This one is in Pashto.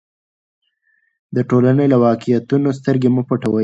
د ټولنې له واقعیتونو سترګې مه پټوئ.